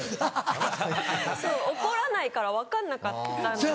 怒らないから分かんなかったので。